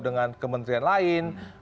dengan kementerian lain